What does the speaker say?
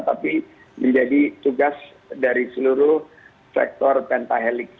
tapi menjadi tugas dari seluruh sektor pentahelix